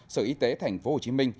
sở y tế tp hcm